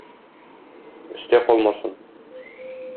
Өстә калмасын.